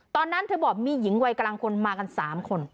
ตอนนั้นเธอบอกมีหญิงวัยกลางคนมากัน๓คน